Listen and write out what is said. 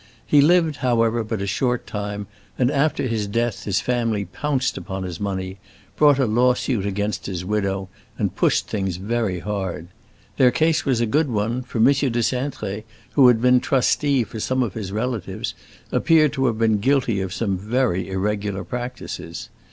He lived, however, but a short time, and after his death his family pounced upon his money, brought a lawsuit against his widow, and pushed things very hard. Their case was a good one, for M. de Cintré, who had been trustee for some of his relatives, appeared to have been guilty of some very irregular practices.